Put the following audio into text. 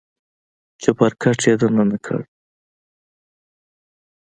چپرکټ يې دننه کړ.